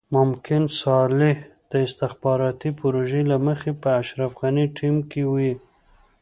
ممکن صالح د استخباراتي پروژې له مخې په اشرف غني ټيم کې وي.